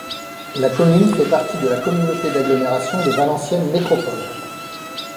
La commune fait partie de la Communauté d'agglomération de Valenciennes Métropole.